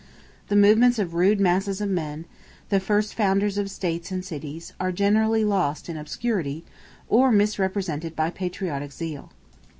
The movements of rude masses of men, the first founders of states and cities, are generally lost in obscurity, or misrepresented by patriotic zeal.